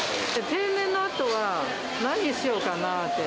定年のあとは何しようかなって。